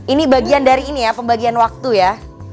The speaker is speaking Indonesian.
ini bagian dari ini ya pembagian waktu ya